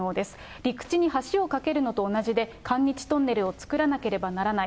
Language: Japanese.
陸地に橋を架けるのと同じで韓日トンネルを作らなければならない。